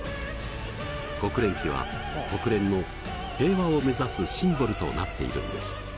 国連旗は国連の平和を目指すシンボルとなっているんです。